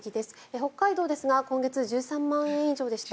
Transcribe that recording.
北海道ですが今月１３万円以上でした。